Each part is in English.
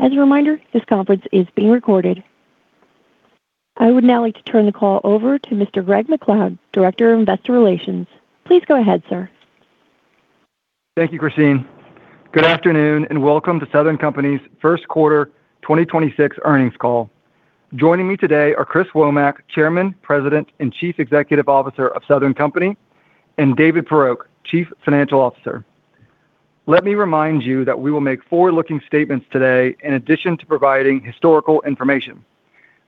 As a reminder, this conference is being recorded. I would now like to turn the call over to Mr. Greg MacLeod, Director of Investor Relations. Please go ahead, sir. Thank you, Christine. Good afternoon. Welcome to Southern Company's first quarter 2026 earnings call. Joining me today are Chris Womack, Chairman, President, and Chief Executive Officer of The Southern Company, and David P. Poroch, Chief Financial Officer. Let me remind you that we will make forward-looking statements today in addition to providing historical information.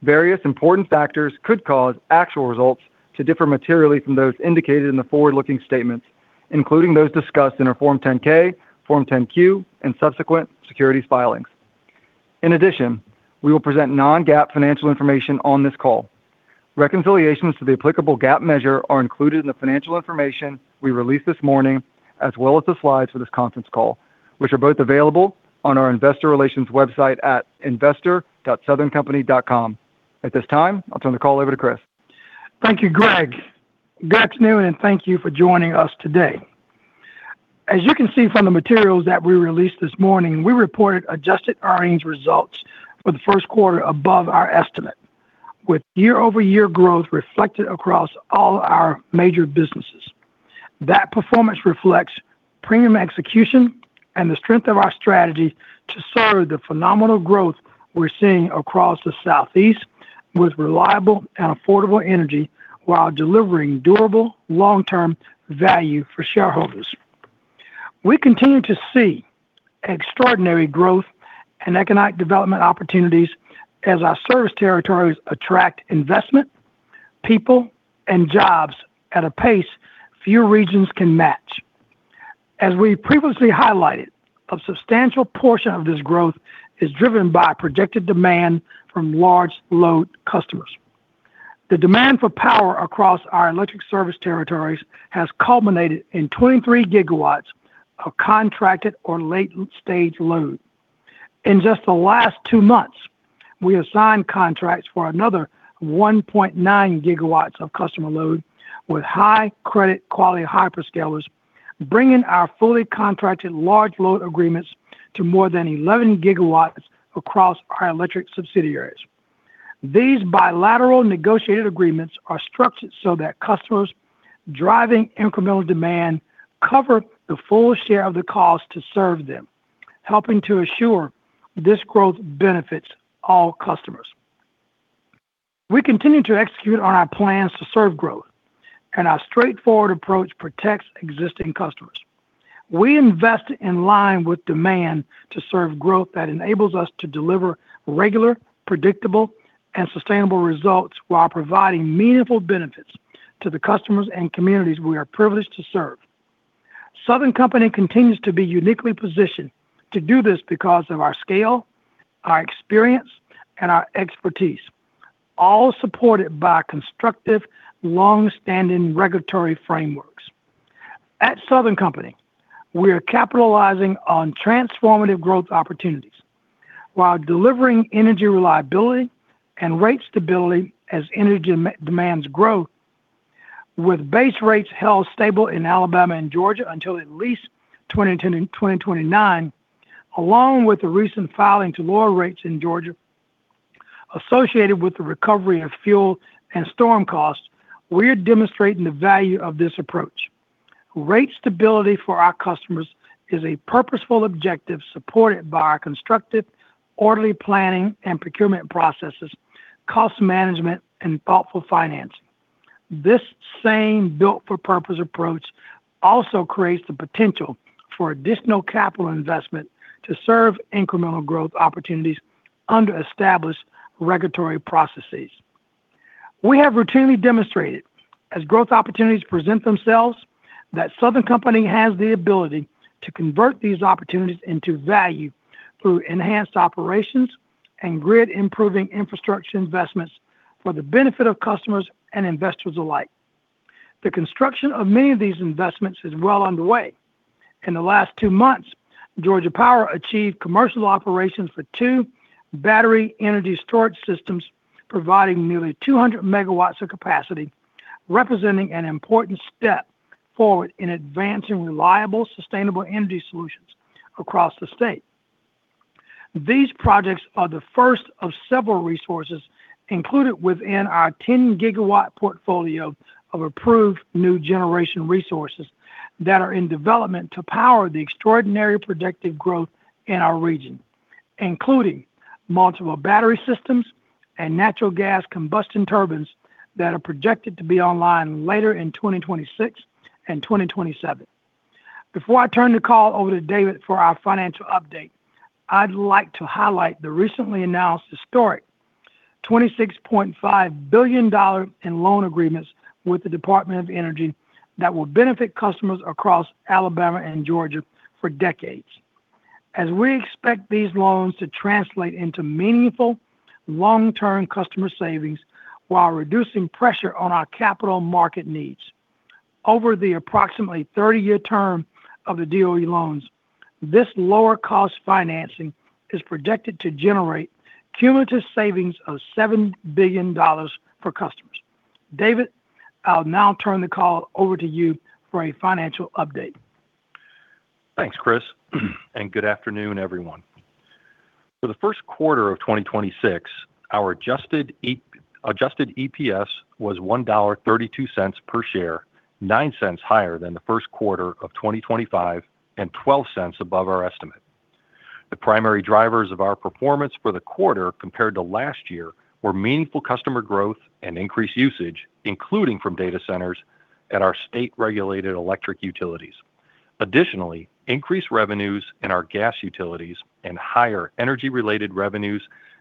Various important factors could cause actual results to differ materially from those indicated in the forward-looking statements, including those discussed in our Form 10-K, Form 10-Q, and subsequent securities filings. In addition, we will present non-GAAP financial information on this call. Reconciliations to the applicable GAAP measure are included in the financial information we released this morning as well as the slides for this conference call, which are both available on our investor relations website at investor.southerncompany.com. At this time, I'll turn the call over to Chris. Thank you, Greg. Good afternoon, and thank you for joining us today. As you can see from the materials that we released this morning, we reported adjusted earnings results for the first quarter above our estimate with year-over-year growth reflected across all our major businesses. That performance reflects premium execution and the strength of our strategy to serve the phenomenal growth we're seeing across the Southeast with reliable and affordable energy while delivering durable long-term value for shareholders. We continue to see extraordinary growth and economic development opportunities as our service territories attract investment, people, and jobs at a pace few regions can match. As we previously highlighted, a substantial portion of this growth is driven by projected demand from large load customers. The demand for power across our electric service territories has culminated in 23 GW of contracted or latent stage load. In just the last two months, we assigned contracts for another 1.9 GW of customer load with high credit quality hyperscalers, bringing our fully contracted large load agreements to more than 11 GW across our electric subsidiaries. These bilateral negotiated agreements are structured so that customers driving incremental demand cover the full share of the cost to serve them, helping to assure this growth benefits all customers. We continue to execute on our plans to serve growth, and our straightforward approach protects existing customers. We invest in line with demand to serve growth that enables us to deliver regular, predictable, and sustainable results while providing meaningful benefits to the customers and communities we are privileged to serve. Southern Company continues to be uniquely positioned to do this because of our scale, our experience, and our expertise, all supported by constructive, long-standing regulatory frameworks. At The Southern Company, we are capitalizing on transformative growth opportunities while delivering energy reliability and rate stability as energy demands growth with base rates held stable in Alabama and Georgia until at least 2029, along with the recent filing to lower rates in Georgia associated with the recovery of fuel and storm costs, we're demonstrating the value of this approach. Rate stability for our customers is a purposeful objective supported by our constructive, orderly planning and procurement processes, cost management, and thoughtful financing. This same built-for-purpose approach also creates the potential for additional capital investment to serve incremental growth opportunities under established regulatory processes. We have routinely demonstrated, as growth opportunities present themselves, that The Southern Company has the ability to convert these opportunities into value through enhanced operations and grid-improving infrastructure investments for the benefit of customers and investors alike. The construction of many of these investments is well underway. In the last two months, Georgia Power achieved commercial operations for two battery energy storage systems, providing nearly 200 MW of capacity, representing an important step forward in advancing reliable, sustainable energy solutions across the state. These projects are the first of several resources included within our 10 GW portfolio of approved new generation resources that are in development to power the extraordinary projected growth in our region, including multiple battery systems and natural gas combustion turbines that are projected to be online later in 2026 and 2027. Before I turn the call over to David for our financial update, I'd like to highlight the recently announced historic $26.5 billion in loan agreements with the Department of Energy that will benefit customers across Alabama and Georgia for decades. As we expect these loans to translate into meaningful long-term customer savings while reducing pressure on our capital market needs. Over the approximately 30-year term of the DOE loans, this lower cost financing is projected to generate cumulative savings of $7 billion for customers. David, I'll now turn the call over to you for a financial update. Thanks, Chris, and good afternoon, everyone. For the first quarter of 2026, our adjusted EPS was $1.32 per share, $0.09 higher than the first quarter of 2025, and $0.12 above our estimate. The primary drivers of our performance for the quarter compared to last year were meaningful customer growth and increased usage, including from data centers at our state-regulated electric utilities. Additionally, increased revenues in our gas utilities and higher energy-related revenues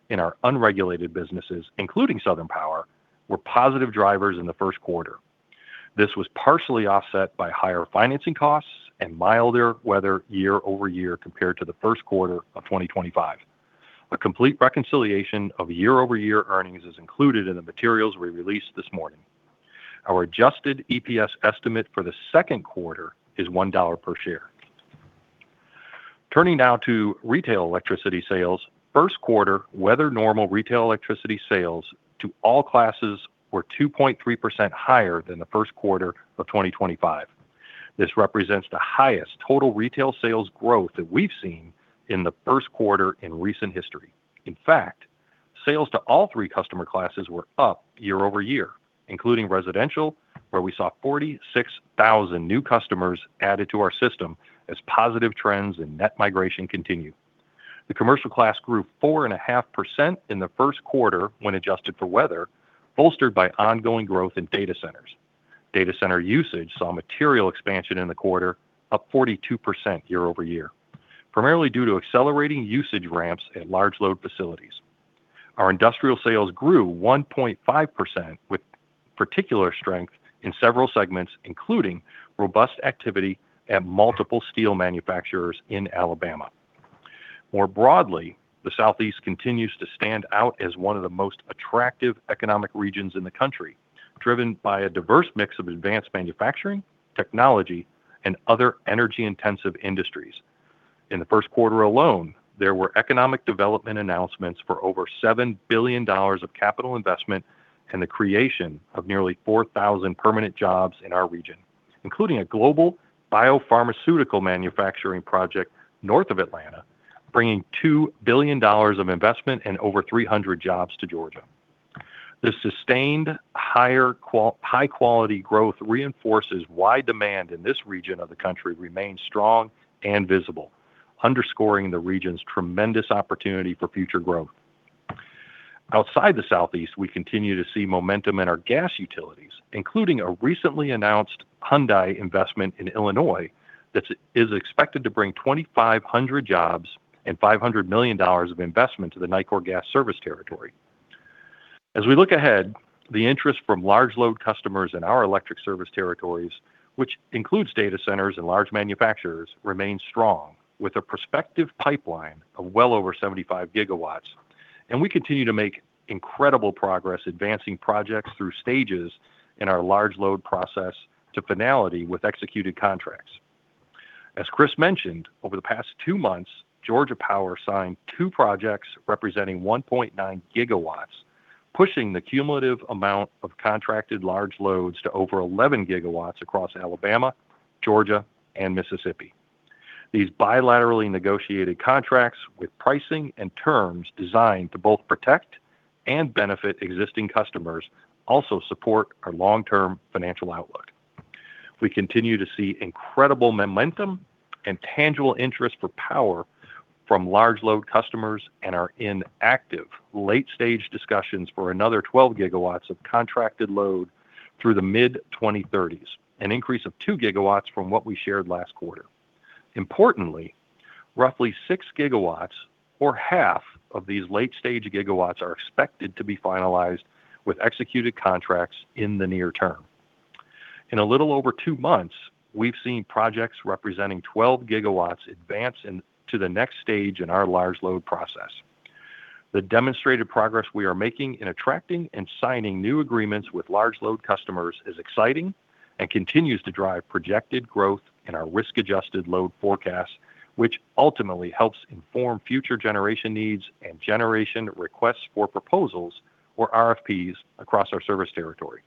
in our unregulated businesses, including Southern Power, were positive drivers in the first quarter. This was partially offset by higher financing costs and milder weather year-over-year compared to the first quarter of 2025. A complete reconciliation of year over-year earnings is included in the materials we released this morning. Our adjusted EPS estimate for the second quarter is $1.00 per share. Turning now to retail electricity sales, first quarter weather normal retail electricity sales to all classes were 2.3% higher than the first quarter of 2025. This represents the highest total retail sales growth that we've seen in the first quarter in recent history. In fact, sales to all three customer classes were up year-over-year, including residential, where we saw 46,000 new customers added to our system as positive trends and net migration continue. The commercial class grew 4.5% in the first quarter when adjusted for weather, bolstered by ongoing growth in data centers. Data center usage saw material expansion in the quarter, up 42% year-over-year, primarily due to accelerating usage ramps at large load facilities. Our industrial sales grew 1.5%, with particular strength in several segments, including robust activity at multiple steel manufacturers in Alabama. More broadly, the Southeast continues to stand out as one of the most attractive economic regions in the country, driven by a diverse mix of advanced manufacturing, technology, and other energy-intensive industries. In the first quarter alone, there were economic development announcements for over $7 billion of capital investment and the creation of nearly 4,000 permanent jobs in our region, including a global biopharmaceutical manufacturing project north of Atlanta, bringing $2 billion of investment and over 300 jobs to Georgia. The sustained high-quality growth reinforces why demand in this region of the country remains strong and visible, underscoring the region's tremendous opportunity for future growth. Outside the Southeast, we continue to see momentum in our gas utilities, including a recently announced Hyundai investment in Illinois that's expected to bring 2,500 jobs and $500 million of investment to the Nicor Gas service territory. As we look ahead, the interest from large load customers in our electric service territories, which includes data centers and large manufacturers, remains strong, with a prospective pipeline of well over 75 GW, and we continue to make incredible progress advancing projects through stages in our large load process to finality with executed contracts. As Chris mentioned, over the past two months, Georgia Power signed two projects representing 1.9 GW, pushing the cumulative amount of contracted large loads to over 11 GW across Alabama, Georgia, and Mississippi. These bilaterally negotiated contracts with pricing and terms designed to both protect and benefit existing customers also support our long-term financial outlook. We continue to see incredible momentum and tangible interest for power from large load customers and are in active late-stage discussions for another 12 GW of contracted load through the mid-2030s, an increase of 2 GW from what we shared last quarter. Importantly, roughly 6 GW or half of these late-stage gigawatts are expected to be finalized with executed contracts in the near term. In a little over two months, we've seen projects representing 12 GW advance to the next stage in our large load process. The demonstrated progress we are making in attracting and signing new agreements with large load customers is exciting and continues to drive projected growth in our risk-adjusted load forecasts, which ultimately helps inform future generation needs and generation requests for proposals or RFPs across our service territory.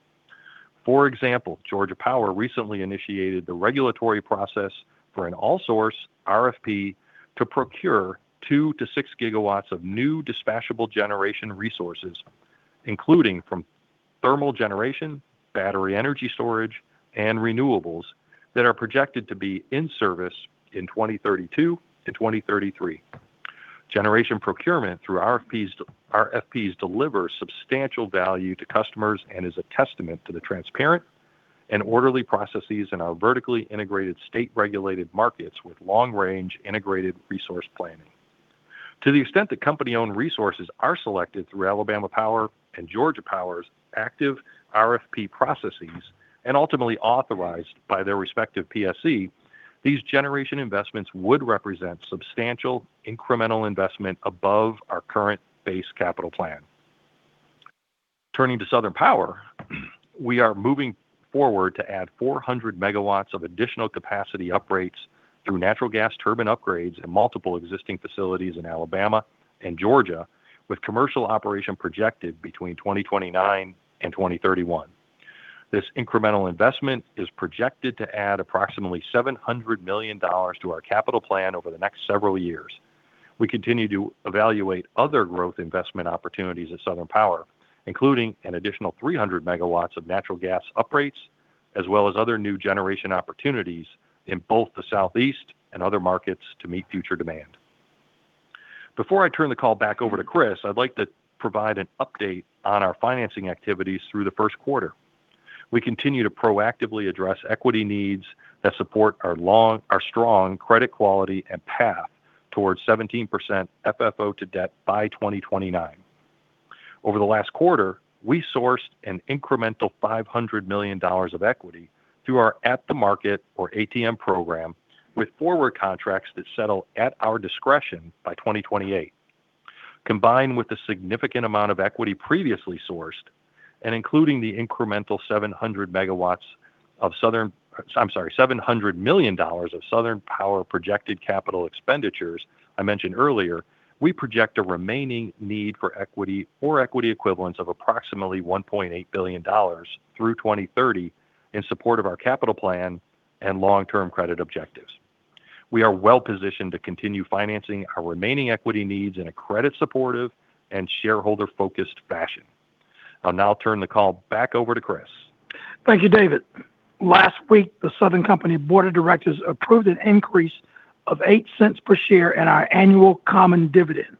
For example, Georgia Power recently initiated the regulatory process for an all source RFP to procure 2-6 GW of new dispatchable generation resources, including from thermal generation, battery energy storage, and renewables that are projected to be in service in 2032 and 2033. Generation procurement through RFPs deliver substantial value to customers and is a testament to the transparent and orderly processes in our vertically integrated state-regulated markets with long-range integrated resource planning. To the extent that company-owned resources are selected through Alabama Power and Georgia Power's active RFP processes and ultimately authorized by their respective PSC, these generation investments would represent substantial incremental investment above our current base capital plan. Turning to Southern Power, we are moving forward to add 400 MW of additional capacity upgrades through natural gas turbine upgrades in multiple existing facilities in Alabama and Georgia, with commercial operation projected between 2029 and 2031. This incremental investment is projected to add approximately $700 million to our capital plan over the next several years. We continue to evaluate other growth investment opportunities at Southern Power, including an additional 300 MW of natural gas uprates, as well as other new generation opportunities in both the Southeast and other markets to meet future demand. Before I turn the call back over to Chris, I'd like to provide an update on our financing activities through the first quarter. We continue to proactively address equity needs that support our strong credit quality and path towards 17% FFO to debt by 2029. Over the last quarter, we sourced an incremental $500 million of equity through our at-the-market or ATM program with forward contracts that settle at our discretion by 2028. Combined with the significant amount of equity previously sourced and including the incremental $700 million of Southern Power projected capital expenditures I mentioned earlier, we project a remaining need for equity or equity equivalents of approximately $1.8 billion through 2030 in support of our capital plan and long-term credit objectives. We are well-positioned to continue financing our remaining equity needs in a credit-supportive and shareholder-focused fashion. I'll now turn the call back over to Chris. Thank you, David. Last week, The Southern Company Board of Directors approved an increase of $0.08 per share in our annual common dividend,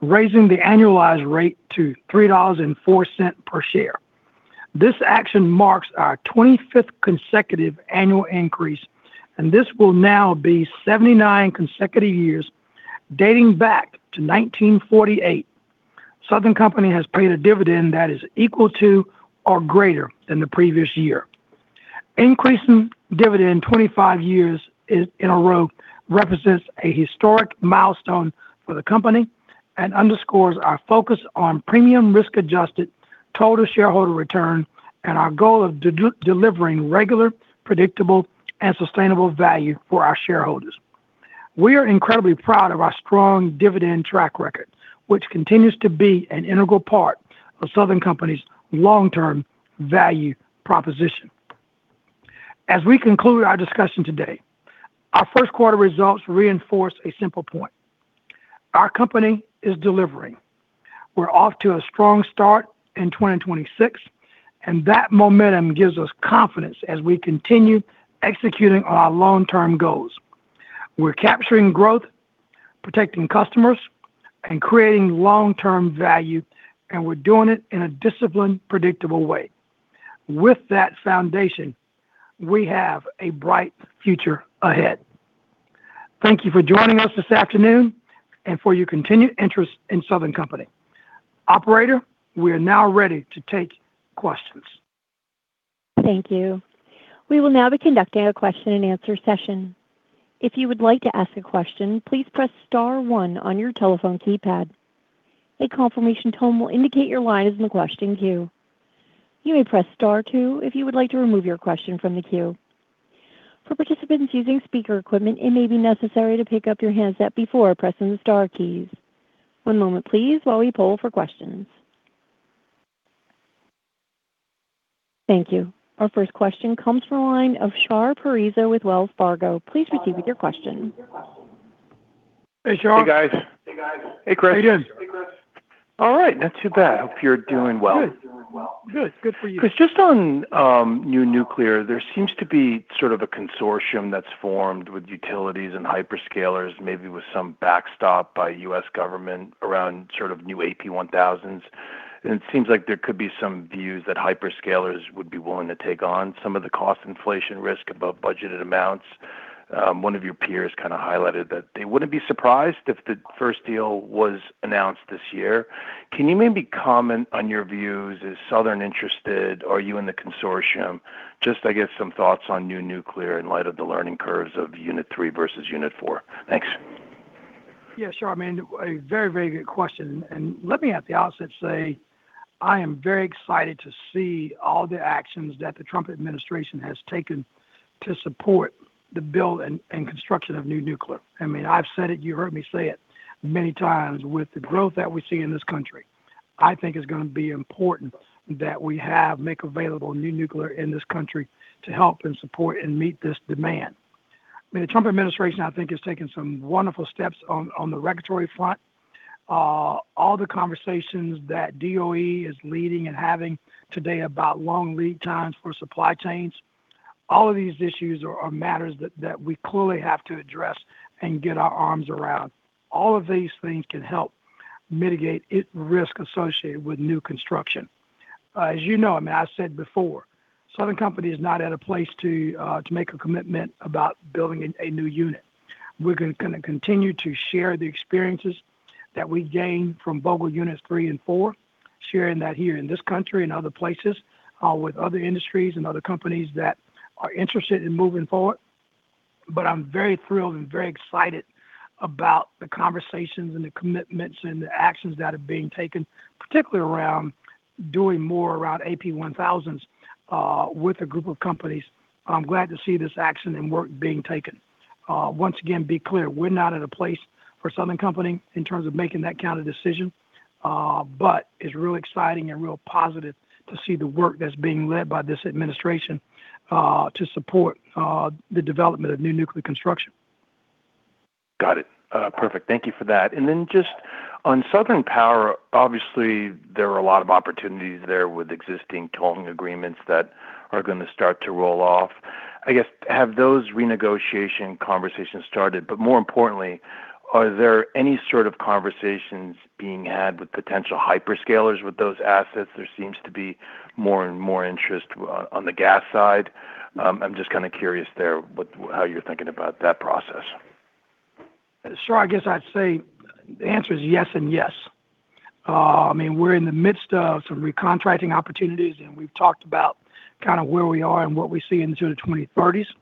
raising the annualized rate to $3.04 per share. This action marks our 25th consecutive annual increase, this will now be 79 consecutive years dating back to 1948. The Southern Company has paid a dividend that is equal to or greater than the previous year. Increasing dividend 25 years in a row represents a historic milestone for the company and underscores our focus on premium risk-adjusted total shareholder return and our goal of delivering regular, predictable, and sustainable value for our shareholders. We are incredibly proud of our strong dividend track record, which continues to be an integral part of The Southern Company's long-term value proposition. As we conclude our discussion today, our first quarter results reinforce a simple point. Our company is delivering. We're off to a strong start in 2026. That momentum gives us confidence as we continue executing on our long-term goals. We're capturing growth, protecting customers, and creating long-term value. We're doing it in a disciplined, predictable way. With that foundation, we have a bright future ahead. Thank you for joining us this afternoon and for your continued interest in Southern Company. Operator, we are now ready to take questions. Thank you. We will now be conducting a question-and-answer session. If you would like to ask a question, please press star one on your telephone keypad. A confirmation tone will indicate your line is in the question queue. You may press star two if you would like to remove your question from the queue. For participants using speaker equipment, it may be necessary to pick up your handset before pressing the star keys. One moment please while we poll for questions. Thank you. Our first question comes from the line of Shar Pourreza with Wells Fargo. Please proceed with your question. Hey, Shar. Hey, guys. Hey, Chris. How you doing? All right, not too bad. Hope you're doing well. Good. Good. Good for you. Chris, just on new nuclear, there seems to be sort of a consortium that's formed with utilities and hyperscalers, maybe with some backstop by U.S. government around sort of new AP1000s. It seems like there could be some views that hyperscalers would be willing to take on some of the cost inflation risk above budgeted amounts. One of your peers kind of highlighted that they wouldn't be surprised if the first deal was announced this year. Can you maybe comment on your views? Is Southern interested? Are you in the consortium? Just, I guess, some thoughts on new nuclear in light of the learning curves of unit 3 versus unit 4. Thanks. Yeah, sure. I mean, a very, very good question. Let me at the outset say, I am very excited to see all the actions that the Trump administration has taken to support the build and construction of new nuclear. I mean, I've said it, you heard me say it many times with the growth that we see in this country. I think it's gonna be important that we have make available new nuclear in this country to help and support and meet this demand. I mean, the Trump administration, I think, has taken some wonderful steps on the regulatory front. All the conversations that DOE is leading and having today about long lead times for supply chains, all of these issues are matters that we clearly have to address and get our arms around. All of these things can help mitigate risk associated with new construction. As you know, I mean, I said before, Southern Company is not at a place to make a commitment about building a new unit. We're gonna kinda continue to share the experiences that we gain from Vogtle Units 3 and 4, sharing that here in this country and other places, with other industries and other companies that are interested in moving forward. I'm very thrilled and very excited about the conversations and the commitments and the actions that are being taken, particularly around doing more around AP1000s. With a group of companies, I'm glad to see this action and work being taken. Once again, be clear, we're not at a place for Southern Company in terms of making that kind of decision. It's real exciting and real positive to see the work that's being led by this administration, to support the development of new nuclear construction. Got it. Perfect. Thank you for that. Then just on Southern Power, obviously there are a lot of opportunities there with existing tolling agreements that are gonna start to roll off. I guess, have those renegotiation conversations started? More importantly, are there any sort of conversations being had with potential hyperscalers with those assets? There seems to be more and more interest on the gas side. I'm just kinda curious there how you're thinking about that process? Sure. I guess I'd say the answer is yes and yes. I mean, we're in the midst of some recontracting opportunities, and we've talked about kinda where we are and what we see into the 2030s.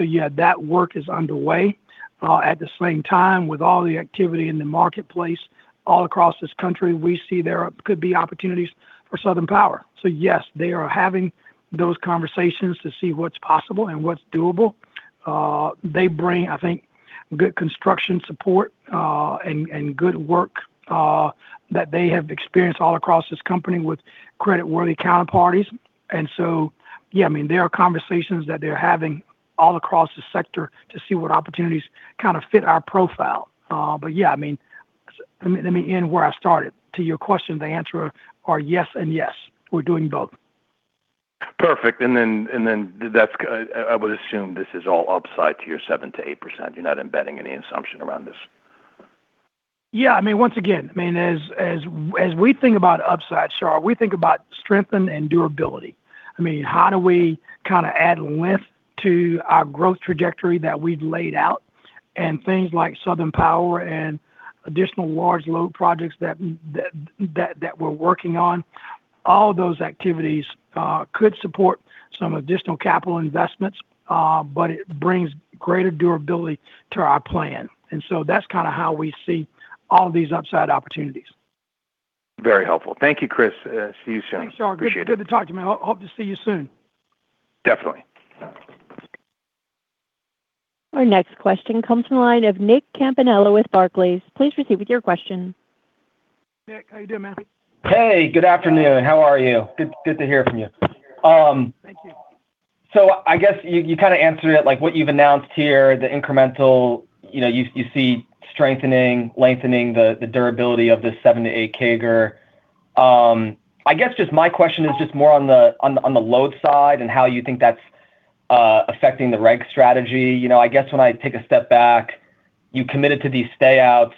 Yeah, that work is underway. At the same time, with all the activity in the marketplace all across this country, we see there could be opportunities for Southern Power. Yes, they are having those conversations to see what's possible and what's doable. They bring, I think, good construction support, and good work that they have experienced all across this company with credit-worthy counterparties. So, yeah, I mean, there are conversations that they're having all across the sector to see what opportunities kind of fit our profile. But yeah, I mean, let me, let me end where I started. To your question, the answer are yes and yes. We're doing both. Perfect. I would assume this is all upside to your 7%-8%. You're not embedding any assumption around this. Yeah, I mean, once again, I mean, as we think about upside, Shar, we think about strength and durability. I mean, how do we kinda add length to our growth trajectory that we've laid out? Things like Southern Power and additional large load projects that we're working on, all those activities could support some additional capital investments, but it brings greater durability to our plan. That's kinda how we see all these upside opportunities. Very helpful. Thank you, Chris. See you soon. Thanks, Shar. Appreciate it. Good to talk to you, man. Hope to see you soon. Definitely. All right. Our next question comes from the line of Nick Campanella with Barclays. Please proceed with your question. Nick, how you doing, man? Hey, good afternoon. How are you? Good, good to hear from you. Thank you. I guess you kinda answered it, like, what you've announced here, the incremental, you know, you see strengthening, lengthening the durability of the 7%-8% CAGR. I guess just my question is just more on the load side and how you think that's affecting the reg strategy. You know, I guess when I take a step back, you committed to these stay-outs,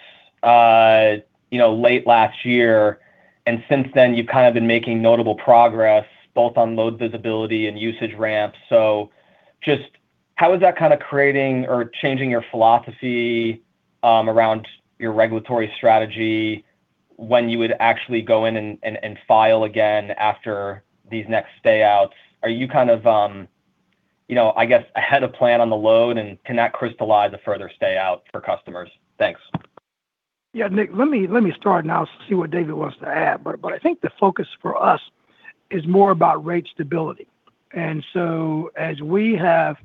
you know, late last year, and since then, you've kind of been making notable progress both on load visibility and usage ramps. Just how is that kinda creating or changing your philosophy around your regulatory strategy when you would actually go in and file again after these next stay-outs? Are you kind of, you know, I guess, ahead of plan on the load, and can that crystallize a further stay-out for customers? Thanks. Yeah, Nick, let me start, and I'll see what David wants to add. I think the focus for us is more about rate stability. As we have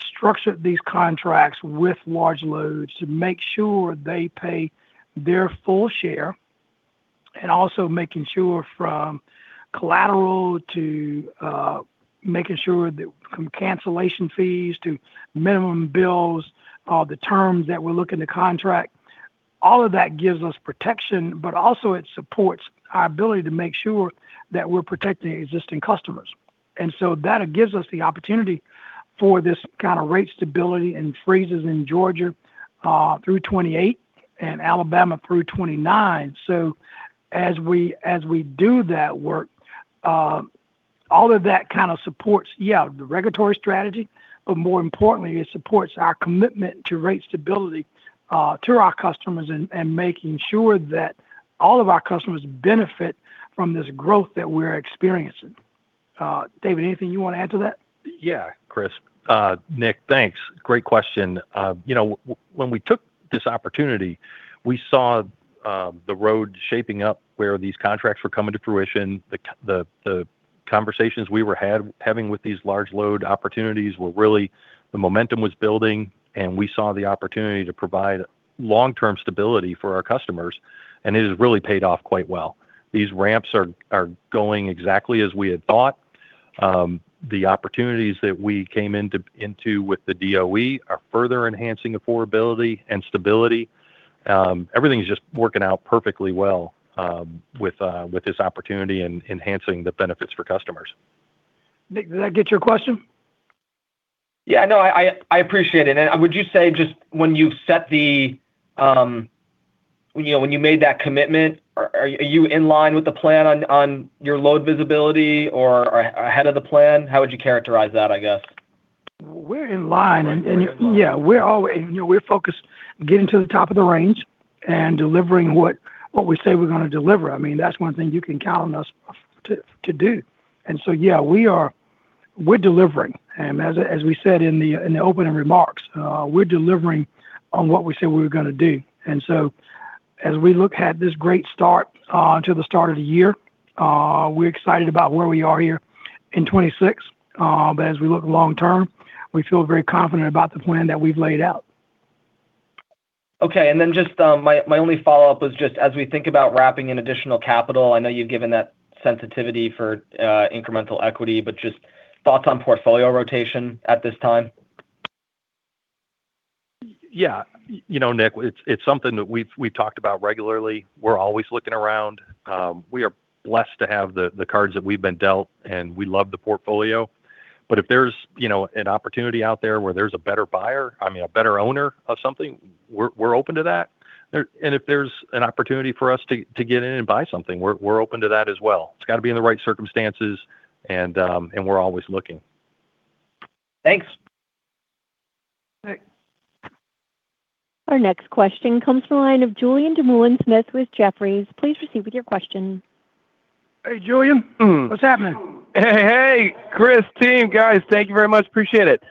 structured these contracts with large loads to make sure they pay their full share, and also making sure from collateral to making sure that from cancellation fees to minimum bills, the terms that we look in the contract, all of that gives us protection, but also it supports our ability to make sure that we're protecting existing customers. That gives us the opportunity for this kinda rate stability and freezes in Georgia through 2028 and Alabama through 2029. As we do that work, all of that kind of supports, yeah, the regulatory strategy, but more importantly, it supports our commitment to rate stability, to our customers and making sure that all of our customers benefit from this growth that we're experiencing. David, anything you wanna add to that? Chris, Nick, thanks. Great question. You know, when we took this opportunity, we saw the road shaping up where these contracts were coming to fruition. The conversations we were having with these large load opportunities were really, the momentum was building, and we saw the opportunity to provide long-term stability for our customers, and it has really paid off quite well. These ramps are going exactly as we had thought. The opportunities that we came into with the DOE are further enhancing affordability and stability. Everything's just working out perfectly well with this opportunity and enhancing the benefits for customers. Nick, did that get your question? Yeah. No, I, I appreciate it. Would you say just when you set the, you know, when you made that commitment, are you in line with the plan on your load visibility or ahead of the plan? How would you characterize that, I guess? We're in line. Yeah. You know, we're focused getting to the top of the range and delivering what we say we're gonna deliver. I mean, that's one thing you can count on us to do. Yeah, we're delivering. As we said in the opening remarks, we're delivering on what we said we were gonna do. As we look at this great start to the start of the year, we're excited about where we are here in 2026. As we look long term, we feel very confident about the plan that we've laid out. Okay. Then just my only follow-up was just as we think about wrapping in additional capital, I know you've given that sensitivity for incremental equity, but just thoughts on portfolio rotation at this time. Yeah. You know, Nick, it's something that we've talked about regularly. We're always looking around. We are blessed to have the cards that we've been dealt, and we love the portfolio. If there's, you know, an opportunity out there where there's a better buyer, I mean, a better owner of something, we're open to that. If there's an opportunity for us to get in and buy something, we're open to that as well. It's gotta be in the right circumstances and we're always looking. Thanks. Our next question comes from the line of Julien Dumoulin-Smith with Jefferies. Please proceed with your question. Hey, Julien. Mm. What's happening? Hey, hey. Chris, team, guys, thank you very much. Appreciate it.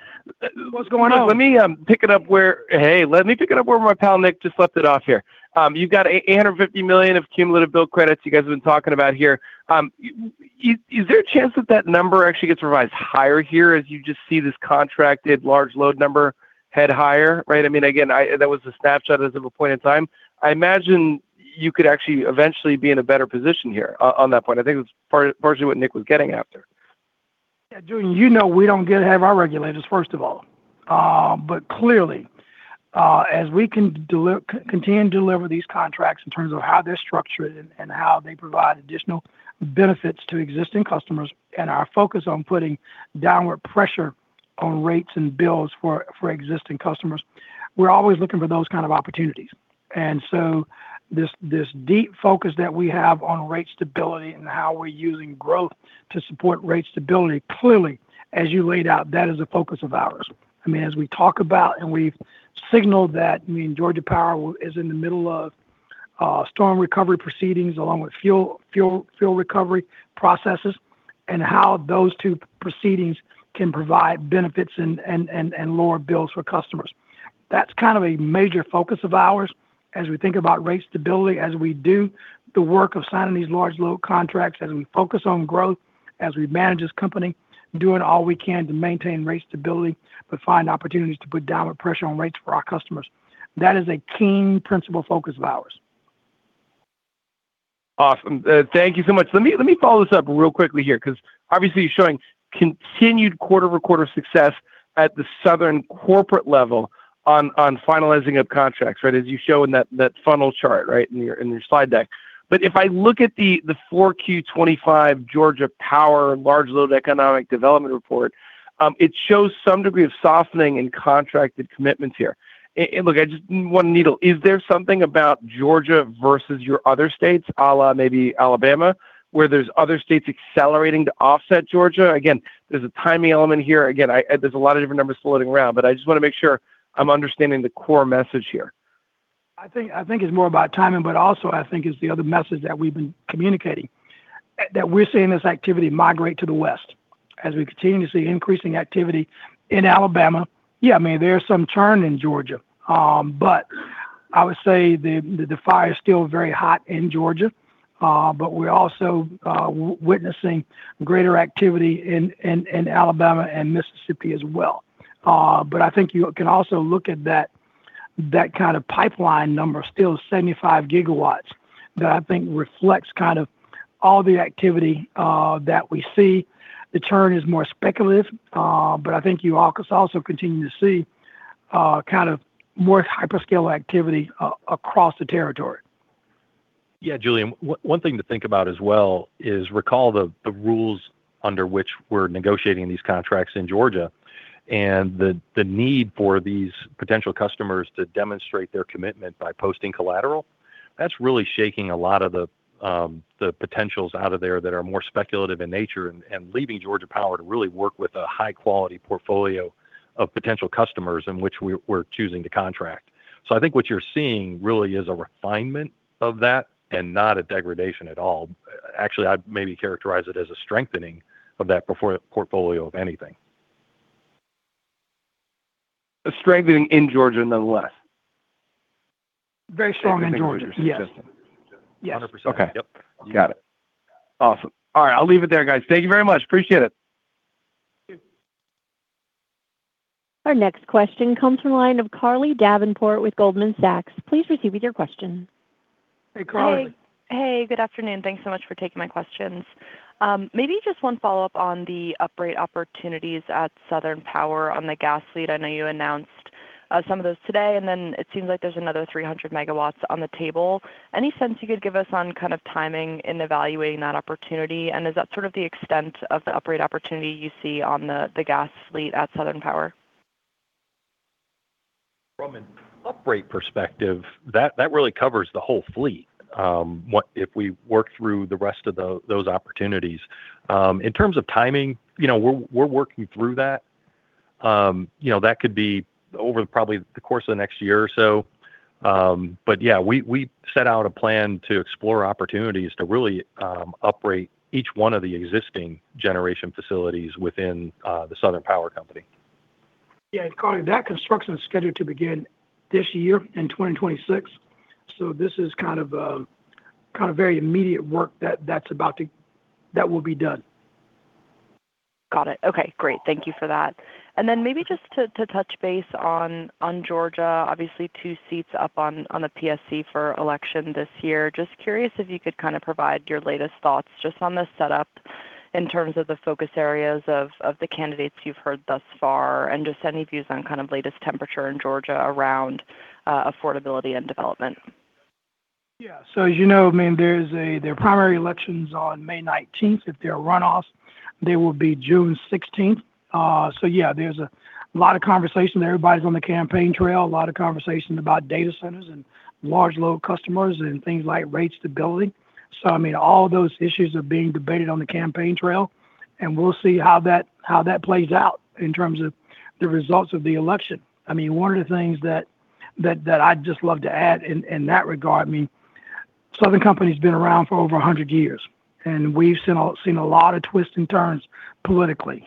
What's going on? Let me pick it up where my pal Nick just left it off here. You've got a $850 million of cumulative bill credits you guys have been talking about here. Is there a chance that that number actually gets revised higher here as you just see this contracted large load number head higher, right? I mean, again, I that was a snapshot as of a point in time. I imagine you could actually eventually be in a better position here on that point. I think it's partially what Nick was getting after. Yeah, Julien, you know we don't get to have our regulators, first of all. Clearly, as we can continue to deliver these contracts in terms of how they're structured and how they provide additional benefits to existing customers and our focus on putting downward pressure on rates and bills for existing customers, we're always looking for those kind of opportunities. This deep focus that we have on rate stability and how we're using growth to support rate stability, clearly, as you laid out, that is a focus of ours. As we talk about and we've signaled that, Georgia Power is in the middle of storm recovery proceedings along with fuel recovery processes and how those two proceedings can provide benefits and lower bills for customers. That's kind of a major focus of ours as we think about rate stability, as we do the work of signing these large load contracts, as we focus on growth, as we manage this company, doing all we can to maintain rate stability, but find opportunities to put downward pressure on rates for our customers. That is a keen principle focus of ours. Awesome. Thank you so much. Let me follow this up real quickly here 'cause obviously you're showing continued quarter-over-quarter success at the Southern corporate level on finalizing of contracts, right? As you show in that funnel chart, right? In your slide deck. If I look at the 4Q 2025 Georgia Power large load economic development report, it shows some degree of softening in contracted commitments here. Look, I just one needle. Is there something about Georgia versus your other states, a la maybe Alabama, where there's other states accelerating to offset Georgia? Again, there's a timing element here. Again, there's a lot of different numbers floating around, but I just wanna make sure I'm understanding the core message here. I think it's more about timing, but also I think it's the other message that we've been communicating, that we're seeing this activity migrate to the West as we continue to see increasing activity in Alabama. Yeah, I mean, there's some turn in Georgia, but I would say the fire is still very hot in Georgia, but we're also witnessing greater activity in Alabama and Mississippi as well. I think you can also look at that kind of pipeline number, still 75 GW, that I think reflects kind of all the activity that we see. The turn is more speculative, but I think you also continue to see kind of more hyperscale activity across the territory. Yeah, Julien, one thing to think about as well is recall the rules under which we're negotiating these contracts in Georgia and the need for these potential customers to demonstrate their commitment by posting collateral. That's really shaking a lot of the potentials out of there that are more speculative in nature and leaving Georgia Power to really work with a high quality portfolio of potential customers in which we're choosing to contract. I think what you're seeing really is a refinement of that and not a degradation at all. Actually, I'd maybe characterize it as a strengthening of that portfolio, if anything. A strengthening in Georgia nonetheless. Very strong in Georgia. Strengthening consistent. Yes. Yes. 100%. Yep. Got it. Awesome. All right. I'll leave it there, guys. Thank you very much. Appreciate it. Thank you. Our next question comes from the line of Carly Davenport with Goldman Sachs. Please proceed with your question. Hey, Carly. Hey. Hey, good afternoon. Thanks so much for taking my questions. Maybe just one follow-up on the upright opportunities at Southern Power on the gas fleet. I know you announced some of those today, and then it seems like there's another 300 MW on the table. Any sense you could give us on kind of timing in evaluating that opportunity? And is that sort of the extent of the upright opportunity you see on the gas fleet at Southern Power? From an upright perspective, that really covers the whole fleet, if we work through the rest of those opportunities. In terms of timing, you know, we're working through that. You know, that could be over probably the course of the next year or so. Yeah, we set out a plan to explore opportunities to really operate each one of the existing generation facilities within Southern Power. Yeah, Carly, that construction is scheduled to begin this year in 2026. This is kind of very immediate work that will be done. Got it. Okay, great. Thank you for that. Maybe just to touch base on Georgia, obviously two seats up on the PSC for election this year. Just curious if you could kind of provide your latest thoughts just on the setup in terms of the focus areas of the candidates you've heard thus far and just any views on kind of latest temperature in Georgia around affordability and development. As you know, I mean, there are primary elections on May 19th. If there are runoffs, they will be June 16th. There's a lot of conversation. Everybody's on the campaign trail, a lot of conversation about data centers and large load customers and things like rate stability. I mean, all those issues are being debated on the campaign trail, and we'll see how that plays out in terms of the results of the election. I mean, one of the things that I'd just love to add in that regard, I mean, Southern Company's been around for over 100 years, and we've seen a lot of twists and turns politically.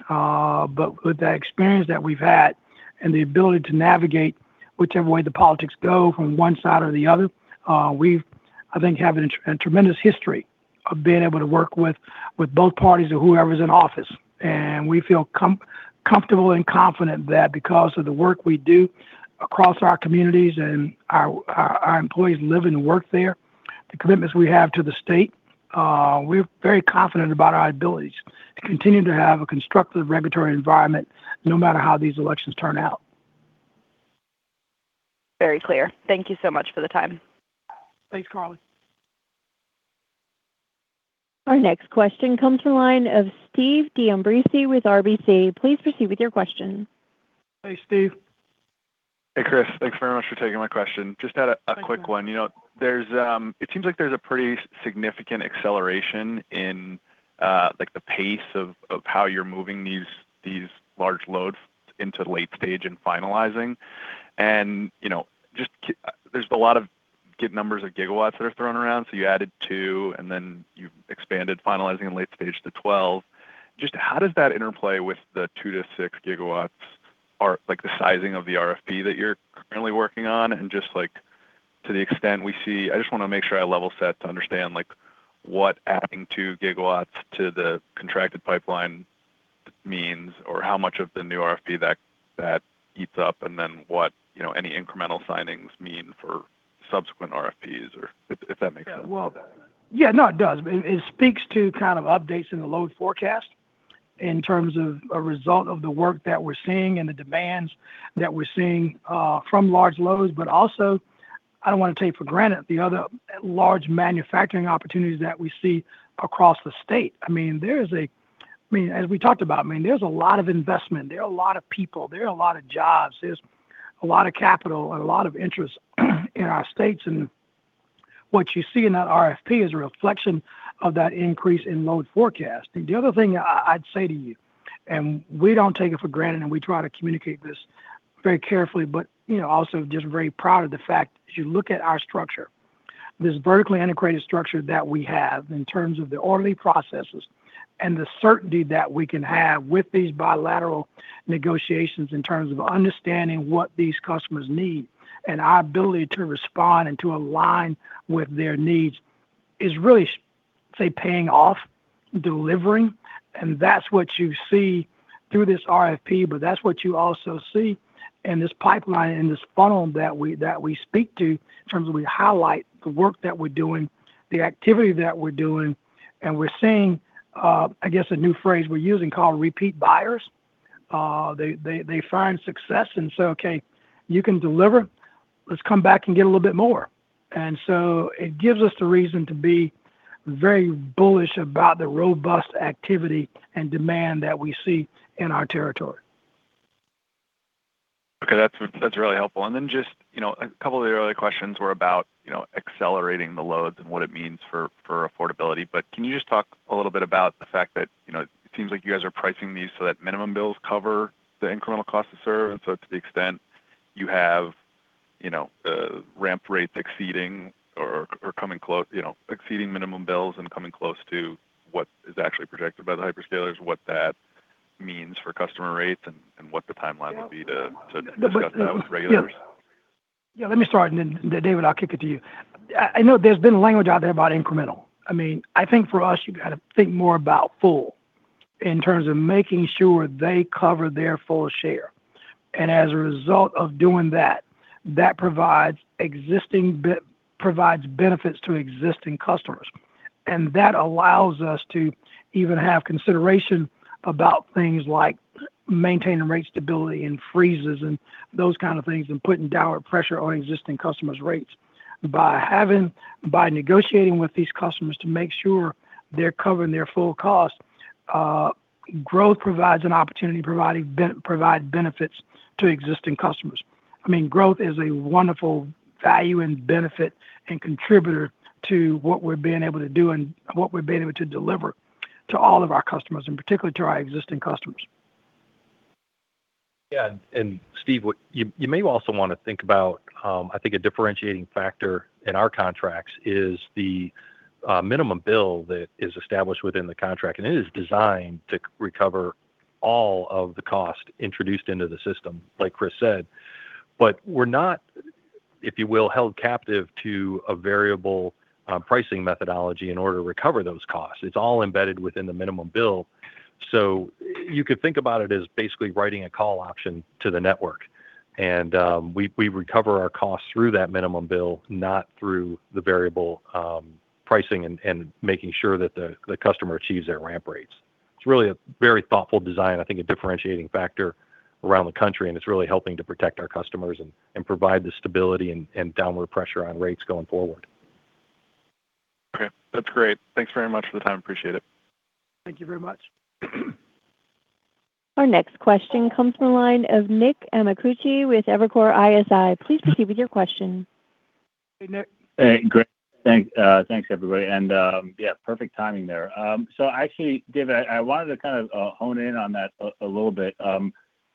With the experience that we've had and the ability to navigate whichever way the politics go from one side or the other, we've, I think, have a tremendous history of being able to work with both parties or whoever's in office. We feel comfortable and confident that because of the work we do across our communities and our employees live and work there, the commitments we have to the state, we're very confident about our abilities to continue to have a constructive regulatory environment no matter how these elections turn out. Very clear. Thank you so much for the time. Thanks, Carly. Our next question comes from the line of Stephen D'Ambrisi with RBC. Please proceed with your question. Hey, Steve. Hey, Chris. Thanks very much for taking my question. Just had a quick one. You know, there's It seems like there's a pretty significant acceleration in, like, the pace of how you're moving these large loads into late stage and finalizing. You know, just There's a lot of numbers of gigawatts that are thrown around. You added two, you expanded finalizing in late stage to 12. Just how does that interplay with the 2-6 GW or, like, the sizing of the RFP that you're currently working on? Just, like, to the extent we see, I just wanna make sure I level set to understand, like, what adding 2 GW to the contracted pipeline means or how much of the new RFP that eats up and then what, you know, any incremental signings mean for subsequent RFPs or if that makes sense. Yeah. Well, yeah, no, it does. It speaks to kind of updates in the load forecast in terms of a result of the work that we're seeing and the demands that we're seeing from large loads. But also, I don't want to take for granted the other large manufacturing opportunities that we see across the state. I mean, as we talked about, I mean, there's a lot of investment. There are a lot of people. There are a lot of jobs. There's a lot of capital and a lot of interest in our states. What you see in that RFP is a reflection of that increase in load forecast. The other thing I'd say to you, we don't take it for granted, we try to communicate this very carefully, you know, also just very proud of the fact, as you look at our structure, this vertically integrated structure that we have in terms of the orderly processes and the certainty that we can have with these bilateral negotiations in terms of understanding what these customers need and our ability to respond and to align with their needs is really, paying off, delivering. That's what you see through this RFP, that's what you also see in this pipeline and this funnel that we speak to in terms of we highlight the work that we're doing, the activity that we're doing. We're seeing, I guess a new phrase we're using called repeat buyers. They find success and say, "Okay, you can deliver. Let's come back and get a little bit more." It gives us the reason to be very bullish about the robust activity and demand that we see in our territory. Okay. That's, that's really helpful. Just, you know, a couple of the other questions were about, you know, accelerating the loads and what it means for affordability. Can you just talk a little bit about the fact that, you know, it seems like you guys are pricing these so that minimum bills cover the incremental cost to serve? To the extent you have, you know, ramp rates exceeding or you know, exceeding minimum bills and coming close to what is actually projected by the hyperscalers, what that means for customer rates and what the timeline would be to discuss that with regulators. Yeah. Let me start, then David, I'll kick it to you. I know there's been language out there about incremental. I mean, I think for us, you gotta think more about full in terms of making sure they cover their full share. As a result of doing that provides existing benefits to existing customers. That allows us to even have consideration about things like maintaining rate stability and freezes and those kind of things, and putting downward pressure on existing customers' rates. By negotiating with these customers to make sure they're covering their full cost, growth provides an opportunity provide benefits to existing customers. I mean, growth is a wonderful value and benefit and contributor to what we're being able to do and what we're being able to deliver to all of our customers, in particular to our existing customers. Yeah. Steve, you may also wanna think about, I think a differentiating factor in our contracts is the minimum bill that is established within the contract. It is designed to recover all of the cost introduced into the system, like Chris said. We're not, if you will, held captive to a variable pricing methodology in order to recover those costs. It's all embedded within the minimum bill. You could think about it as basically writing a call option to the network. We recover our costs through that minimum bill, not through the variable pricing and making sure that the customer achieves their ramp rates. It's really a very thoughtful design, I think a differentiating factor around the country, and it's really helping to protect our customers and provide the stability and downward pressure on rates going forward. Okay. That's great. Thanks very much for the time. Appreciate it. Thank you very much. Our next question comes from the line of Nicholas Amicucci with Evercore ISI. Please proceed with your question. Hey, Nick. Hey, great. Thank thanks everybody. Yeah, perfect timing there. Actually, Dave, I wanted to kind of hone in on that a little bit.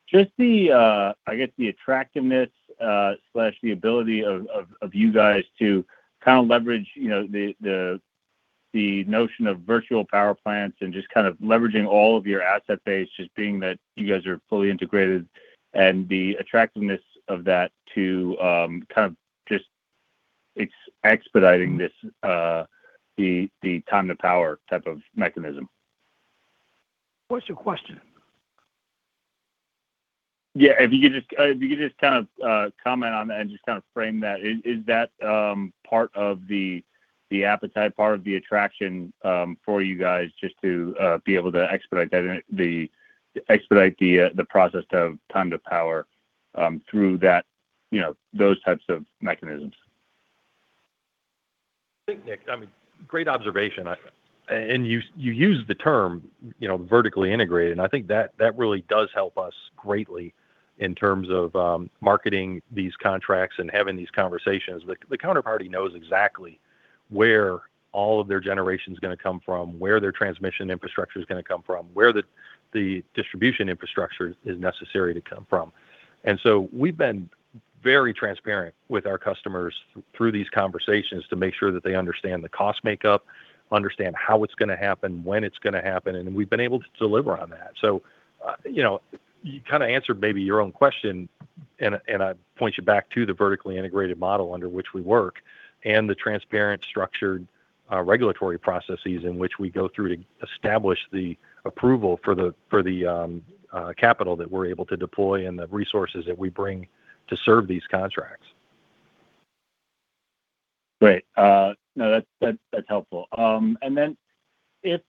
Just the I guess the attractiveness slash the ability of you guys to kind of leverage, you know, the notion of virtual power plants and just kind of leveraging all of your asset base, just being that you guys are fully integrated and the attractiveness of that to kind of just expediting this the time to power type of mechanism. What's your question? Yeah, if you could just kind of comment on that and just kind of frame that. Is that part of the appetite, part of the attraction for you guys just to be able to expedite that and expedite the process of time to power through that, you know, those types of mechanisms? I think, Nick, I mean, great observation. And you used the term, you know, vertically integrated, and I think that really does help us greatly in terms of marketing these contracts and having these conversations. The counterparty knows exactly where all of their generation's gonna come from, where their transmission infrastructure is gonna come from, where the distribution infrastructure is necessary to come from. So we've been very transparent with our customers through these conversations to make sure that they understand the cost makeup, understand how it's gonna happen, when it's gonna happen, and we've been able to deliver on that. You know, you kinda answered maybe your own question. I point you back to the vertically integrated model under which we work and the transparent structured regulatory processes in which we go through to establish the approval for the capital that we're able to deploy and the resources that we bring to serve these contracts. Great. No, that's helpful. Then if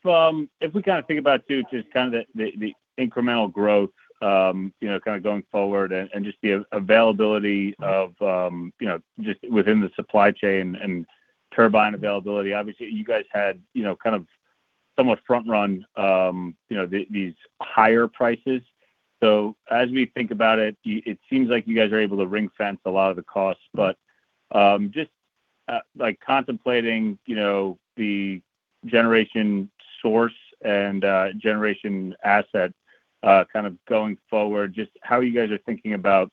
we kinda think about too just kind of the incremental growth, you know, kinda going forward and just the availability of, you know, just within the supply chain and turbine availability. Obviously you guys had, you know, kind of somewhat front run, you know, these higher prices. As we think about it seems like you guys are able to ring-fence a lot of the costs. Just like contemplating, you know, the generation source and generation asset kind of going forward, just how you guys are thinking about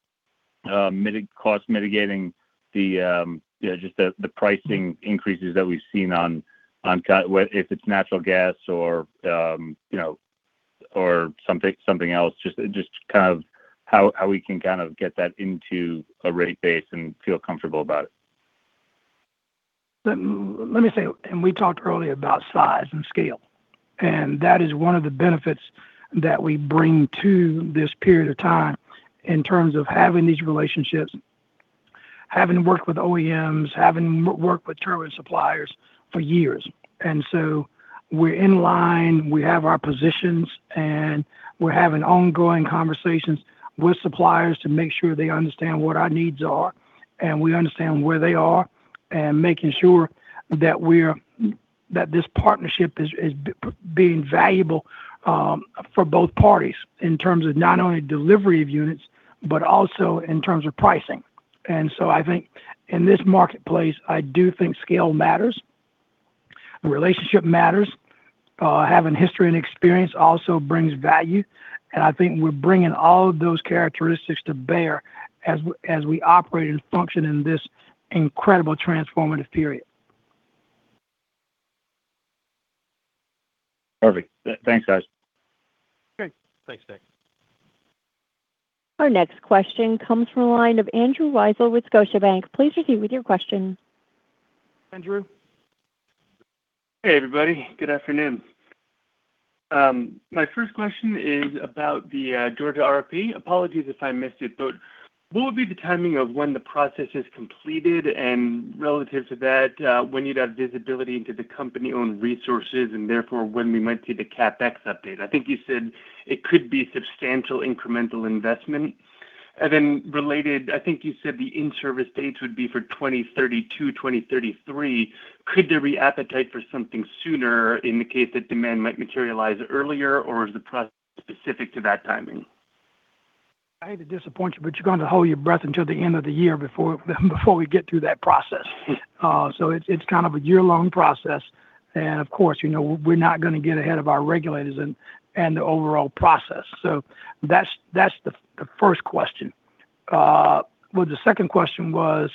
cost mitigating the, you know, just the pricing increases that we've seen on what if it's natural gas or, you know, or something else? Just kind of how we can kind of get that into a rate base and feel comfortable about it. Let me say, we talked earlier about size and scale, that is one of the benefits that we bring to this period of time in terms of having these relationships, having worked with OEMs, having worked with turbine suppliers for years. We're in line, we have our positions, we're having ongoing conversations with suppliers to make sure they understand what our needs are, we understand where they are, making sure that this partnership is being valuable for both parties in terms of not only delivery of units, but also in terms of pricing. I think in this marketplace, I do think scale matters, relationship matters. Having history and experience also brings value, I think we're bringing all of those characteristics to bear as we operate and function in this incredible transformative period. Perfect. Thanks, guys. Great. Thanks, Nick. Our next question comes from the line of Andrew Weisel with Scotiabank. Please proceed with your question. Andrew. Hey, everybody. Good afternoon. My first question is about the Georgia RFP. Apologies if I missed it, but what would be the timing of when the process is completed? Relative to that, when you'd have visibility into the company-owned resources, therefore, when we might see the CapEx update? I think you said it could be substantial incremental investment. Then related, I think you said the in-service dates would be for 2032, 2033. Could there be appetite for something sooner in the case that demand might materialize earlier, or is the process specific to that timing? I hate to disappoint you're going to hold your breath until the end of the year before we get through that process. It's kind of a year-long process and of course, you know, we're not gonna get ahead of our regulators and the overall process. That's the first question. What the second question was-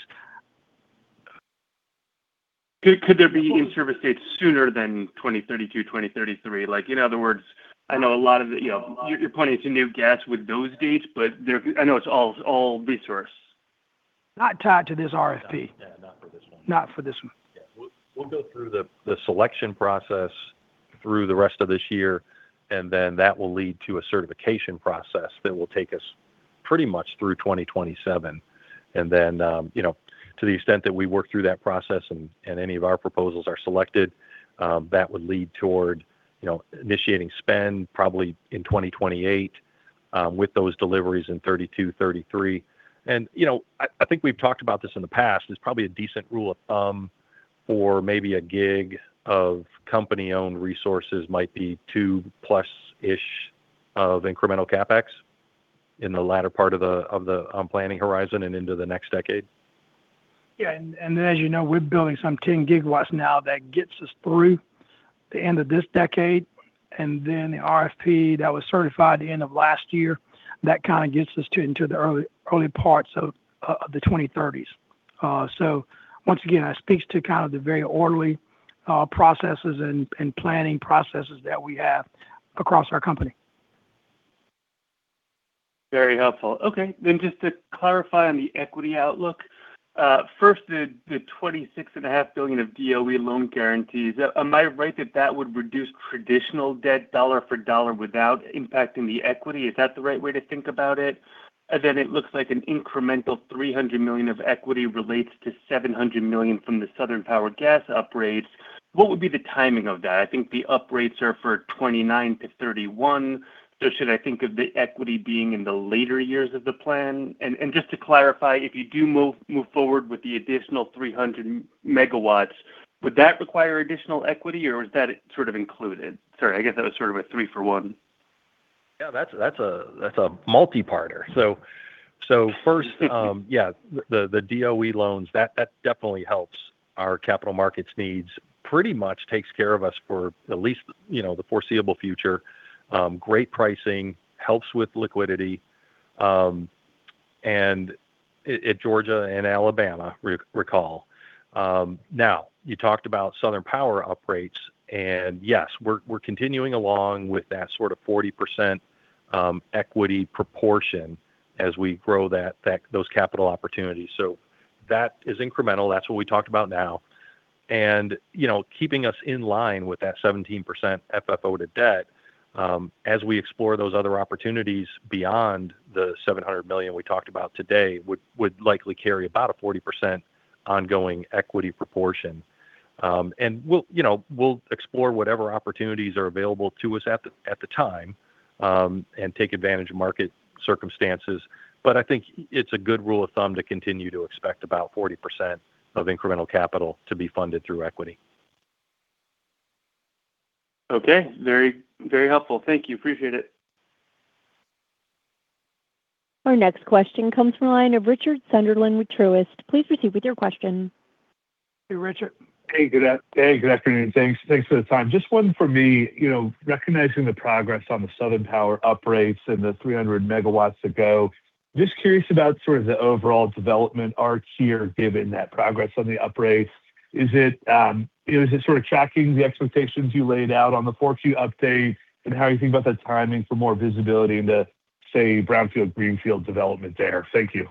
Could there be in-service dates sooner than 2032, 2033? Like, in other words, I know a lot of the, you know, you're pointing to new gas with those dates. I know it's all resource. Not tied to this RFP. Yeah, not for this one. Not for this one. Yeah. We'll go through the selection process through the rest of this year, then that will lead to a certification process that will take us pretty much through 2027. Then, you know, to the extent that we work through that process and any of our proposals are selected, that would lead toward, you know, initiating spend probably in 2028, with those deliveries in 32, 33. You know, I think we've talked about this in the past, it's probably a decent rule of thumb for maybe a gig of company-owned resources might be two plus-ish of incremental CapEx in the latter part of the planning horizon and into the next decade. Yeah. As you know, we're building some 10 GW now that gets us through the end of this decade. Then the RFP that was certified the end of last year, that kind of gets us to, into the early parts of the 2030s. Once again, that speaks to kind of the very orderly processes and planning processes that we have across our company. Very helpful. Okay, just to clarify on the equity outlook. First, the $26.5 billion of DOE loan guarantees. Am I right that that would reduce traditional debt dollar for dollar without impacting the equity? Is that the right way to think about it? It looks like an incremental $300 million of equity relates to $700 million from the Southern Power gas upgrades. What would be the timing of that? I think the upgrades are for 2029-2031, should I think of the equity being in the later years of the plan? Just to clarify, if you do move forward with the additional 300 MW, would that require additional equity, or is that sort of included? Sorry, I guess that was sort of a three for one. Yeah, that's a multi-parter. First, yeah, the DOE loans, that definitely helps our capital markets needs. Pretty much takes care of us for at least, you know, the foreseeable future. Great pricing, helps with liquidity, and at Georgia and Alabama recall. Now you talked about Southern Power uprates, yes, we're continuing along with that sort of 40% equity proportion as we grow those capital opportunities. That is incremental. That's what we talked about now. You know, keeping us in line with that 17% FFO to debt, as we explore those other opportunities beyond the $700 million we talked about today, would likely carry about a 40% ongoing equity proportion. We'll, you know, we'll explore whatever opportunities are available to us at the, at the time, and take advantage of market circumstances. I think it's a good rule of thumb to continue to expect about 40% of incremental capital to be funded through equity. Okay. Very, very helpful. Thank you. Appreciate it. Our next question comes from the line of Richard Sunderland with Truist. Please proceed with your question. Hey, Richard. Hey, good afternoon. Thanks for the time. Just one for me. You know, recognizing the progress on the Southern Power uprates and the 300 MW to go, just curious about sort of the overall development arc here, given that progress on the uprates. Is it, is it sort of tracking the expectations you laid out on the forecast update, and how are you thinking about the timing for more visibility into, say, brownfield/greenfield development there? Thank you.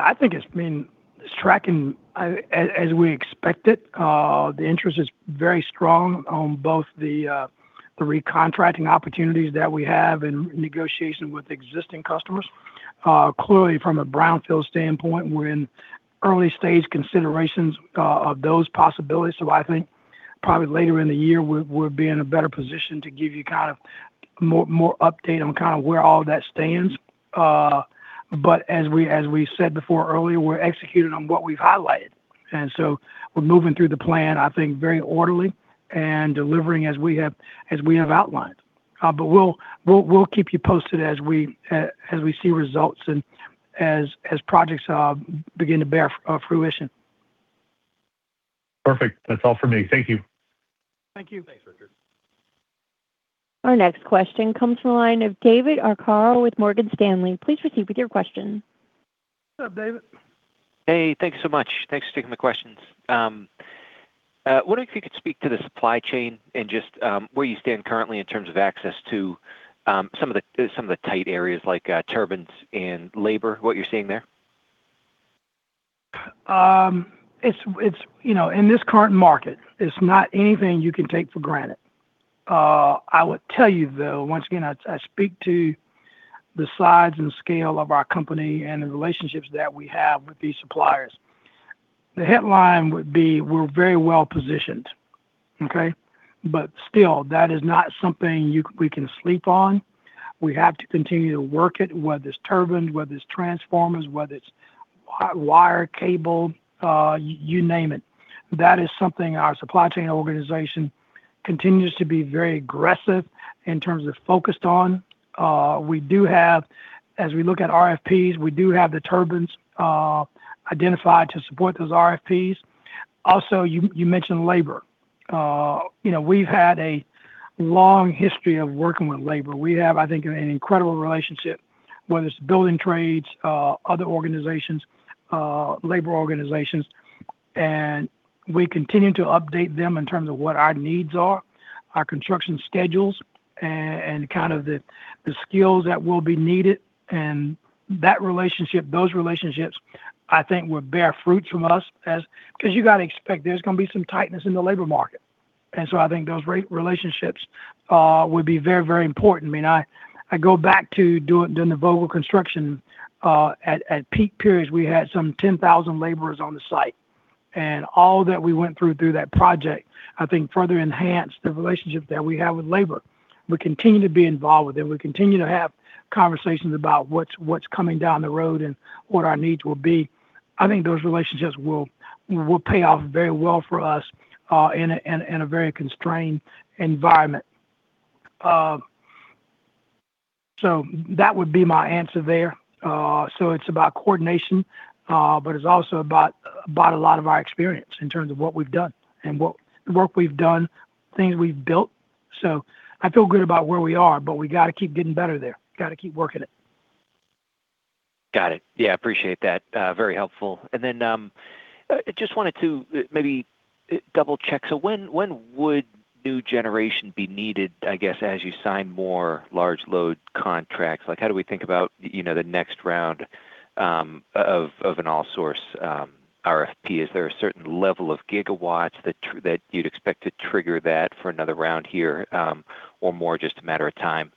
I think it's been, it's tracking as we expected. The interest is very strong on both the recontracting opportunities that we have and negotiation with existing customers. Clearly from a brownfield standpoint, we're in early stage considerations of those possibilities. I think probably later in the year, we'll be in a better position to give you more update on where all that stands. As we said before earlier, we're executing on what we've highlighted, we're moving through the plan, I think, very orderly and delivering as we have outlined. We'll keep you posted as we see results and as projects begin to bear fruition. Perfect. That's all for me. Thank you. Thank you. Thanks, Richard. Our next question comes from the line of David Arcaro with Morgan Stanley. Please proceed with your question. What's up, David? Hey, thank you so much. Thanks for taking the questions. Wondering if you could speak to the supply chain and just where you stand currently in terms of access to some of the, some of the tight areas like turbines and labor, what you're seeing there? You know, in this current market, it's not anything you can take for granted. I would tell you though, once again, I speak to the size and scale of our company and the relationships that we have with these suppliers. The headline would be we're very well positioned. Okay. Still, that is not something we can sleep on. We have to continue to work it, whether it's turbines, whether it's transformers, whether it's hot wire, cable, name it. That is something our supply chain organization continues to be very aggressive in terms of focused on. We do have, as we look at RFPs, we do have the turbines identified to support those RFPs. Also, you mentioned labor. You know, we've had a long history of working with labor. We have, I think, an incredible relationship, whether it's building trades, other organizations, labor organizations. We continue to update them in terms of what our needs are, our construction schedules, and kind of the skills that will be needed. Those relationships, I think, will bear fruits from us. 'Cause you got to expect there's gonna be some tightness in the labor market. I think those relationships would be very important. I mean, I go back to doing the Vogtle construction. At peak periods, we had some 10,000 laborers on the site. All that we went through through that project, I think, further enhanced the relationship that we have with labor. We continue to be involved with them. We continue to have conversations about what's coming down the road and what our needs will be. I think those relationships will pay off very well for us in a very constrained environment. That would be my answer there. It's about coordination, but it's also about a lot of our experience in terms of what we've done and what work we've done, things we've built. I feel good about where we are, but we got to keep getting better there. Got to keep working it. Got it. Yeah, appreciate that. Very helpful. I just wanted to maybe double-check. When would new generation be needed, I guess, as you sign more large load contracts? Like, how do we think about, you know, the next round of an all source RFP? Is there a certain level of gigawatts that you'd expect to trigger that for another round here, or more just a matter of time?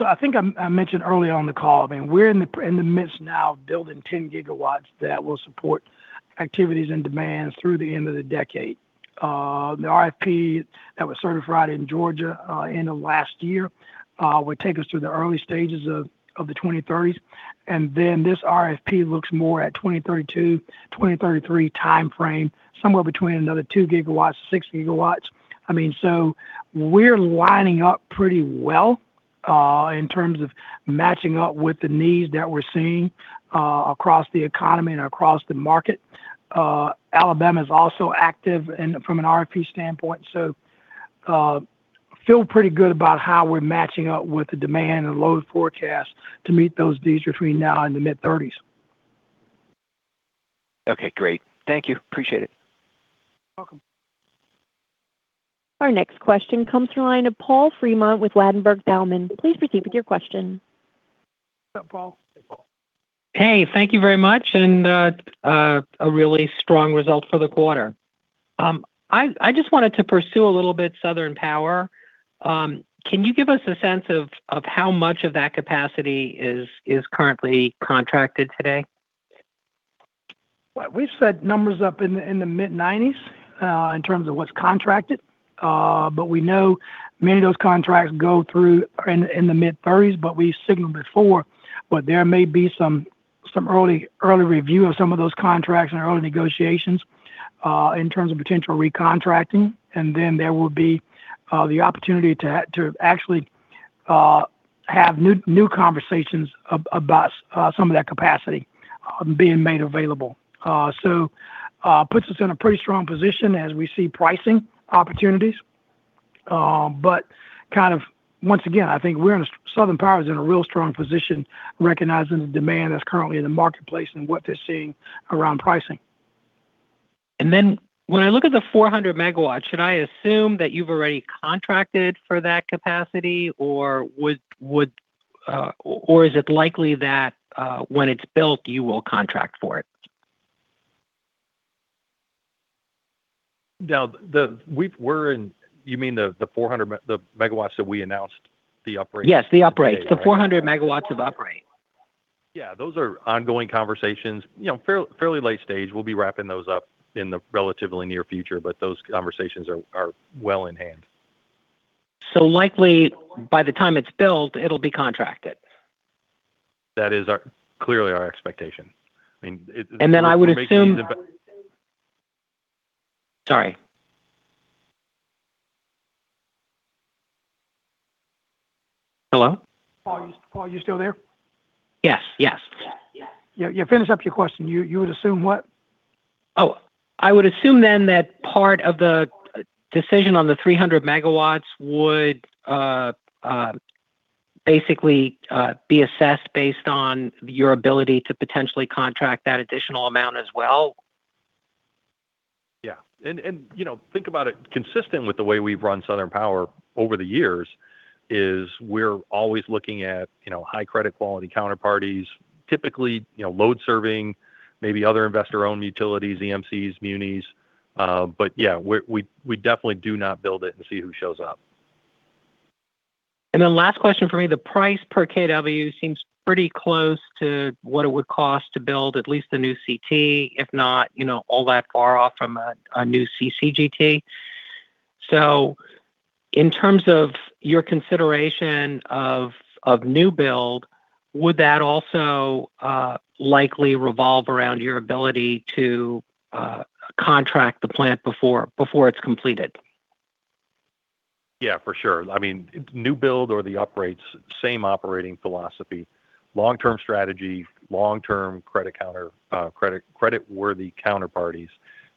I think I mentioned earlier on the call, I mean, we're in the midst now of building 10 GW that will support activities and demands through the end of the decade. The RFP that was certified in Georgia, end of last year, would take us through the early stages of the 2030s. This RFP looks more at 2032, 2033 timeframe, somewhere between another 2 GW, 6 GW. I mean, we're lining up pretty well in terms of matching up with the needs that we're seeing across the economy and across the market. Alabama is also active from an RFP standpoint. Feel pretty good about how we're matching up with the demand and load forecast to meet those needs between now and the mid-2030s. Okay, great. Thank you. Appreciate it. Welcome. Our next question comes through line to Paul Fremont with Ladenburg Thalmann. Please proceed with your question. What's up, Paul? Hey, thank you very much. A really strong result for the quarter. I just wanted to pursue a little bit Southern Power. Can you give us a sense of how much of that capacity is currently contracted today? We've said numbers up in the mid-90s in terms of what's contracted. We know many of those contracts go through in the mid-30s, but we signaled before. There may be some early review of some of those contracts and early negotiations in terms of potential recontracting. There will be the opportunity to actually have new conversations about some of that capacity being made available. Puts us in a pretty strong position as we see pricing opportunities. Kind of once again, I think Southern Power is in a real strong position recognizing the demand that's currently in the marketplace and what they're seeing around pricing. When I look at the 400 MW, should I assume that you've already contracted for that capacity or would or is it likely that when it's built, you will contract for it? You mean the 400 MW that we announced the uprate. Yes, the uprate. today, right? The 400 MW of uprate. Yeah, those are ongoing conversations, you know, fairly late stage. We'll be wrapping those up in the relatively near future, but those conversations are well in hand. Likely by the time it's built, it'll be contracted. That is clearly our expectation. I mean, it. Sorry. Hello? Paul, are you still there? Yes. Yes. Yeah. Finish up your question. You would assume what? I would assume then that part of the decision on the 300 MW would basically be assessed based on your ability to potentially contract that additional amount as well. Yeah. You know, think about it consistent with the way we've run Southern Power over the years is we're always looking at, you know, high credit quality counterparties, typically, you know, load serving, maybe other investor-owned utilities, EMCs, munis. Yeah, we definitely do not build it and see who shows up. Last question for me, the price per kW seems pretty close to what it would cost to build at least a new CT, if not, you know, all that far off from a new CCGT. In terms of your consideration of new build, would that also likely revolve around your ability to contract the plant before it's completed? Yeah, for sure. I mean, new build or the uprates, same operating philosophy, long-term strategy, long-term credit-worthy counterparties.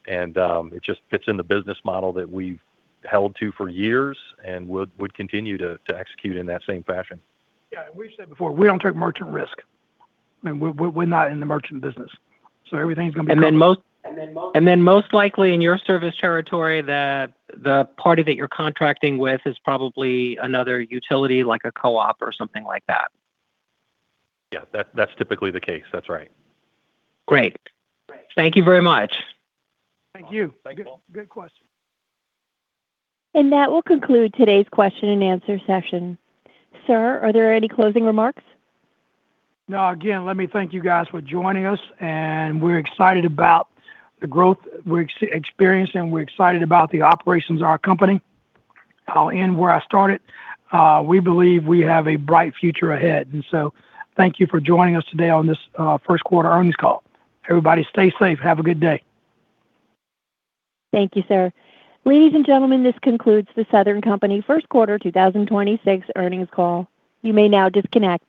It just fits in the business model that we've held to for years and would continue to execute in that same fashion. Yeah. We've said before, we don't take merchant risk. We're not in the merchant business. Everything's gonna be contracted. And then most- Then most likely in your service territory, the party that you're contracting with is probably another utility like a co-op or something like that. Yeah. That's typically the case. That's right. Great. Thank you very much. Thank you. Thank you, Paul. Good question. That will conclude today's question and answer session. Sir, are there any closing remarks? No. Again, let me thank you guys for joining us. We're excited about the growth we're experiencing. We're excited about the operations of our company. I'll end where I started. We believe we have a bright future ahead. Thank you for joining us today on this first quarter earnings call. Everybody, stay safe. Have a good day. Thank you, sir. Ladies and gentlemen, this concludes The Southern Company first quarter 2026 earnings call. You may now disconnect.